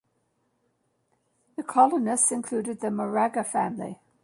The colonists included the Moraga family.